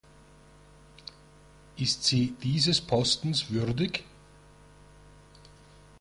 Ist sie dieses Postens würdig?